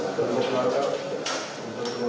silakan di bawah